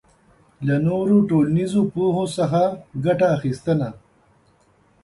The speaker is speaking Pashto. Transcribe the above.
له نورو ټولنیزو پوهو څخه ګټه اخبستنه